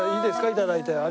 いただいて。